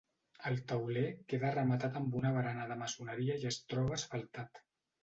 El tauler queda rematat amb una barana de maçoneria i es troba asfaltat.